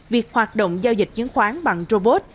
việc hoạt động giao dịch chứng khoán bằng robot